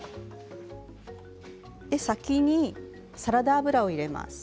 先にサラダ油を入れます。